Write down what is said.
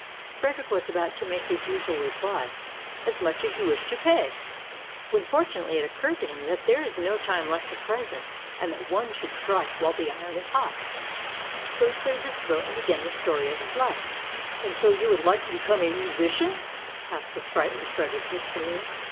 Frederick was about to make his usual reply, "As much as you wish to pay,'' when fortunately it occurred to him that there is no time like the present, and that one should strike while the iron is hot. So he cleared his throat, and began the story of his life. "And so you would like to become a musician?" asked the sprite, when Fred erick was through.